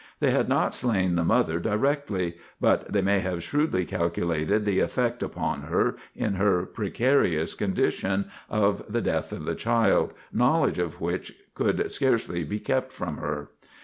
They had not slain the mother, directly; but they may have shrewdly calculated the effect upon her, in her precarious condition, of the death of the child: knowledge of which could scarcely be kept from her.